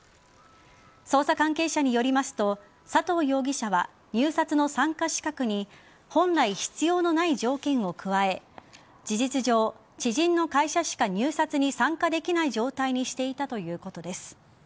捜査関係者によりますと佐藤容疑者は入札の参加資格に本来必要のない条件を加え事実上、知人の会社しか入札に参加できない状態にしていたということです。